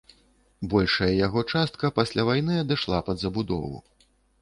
Большая яго частка пасля вайны адышла пад забудову.